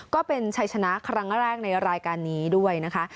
ก็เป็นชัยชนะครั้งแรกในรายการนี้ด้วยนะคะ